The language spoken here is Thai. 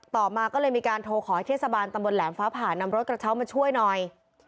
ต่อมาก็เลยมีการโทรขอให้เทศบาลตำบลแหลมฟ้าผ่านำรถกระเช้ามาช่วยหน่อย